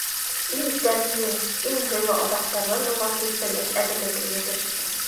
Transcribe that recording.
Иң тәмле, иң һыйлы аҙыҡтарҙан уға күстәнәс әҙерләтергә кереште.